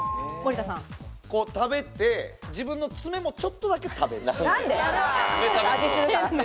食べて自分の爪もちょっとだけ食べる。